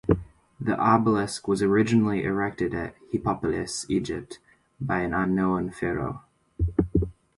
The obelisk was originally erected at Heliopolis, Egypt, by an unknown pharaoh.